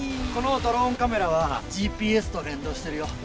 このドローンカメラはＧＰＳと連動してるよ。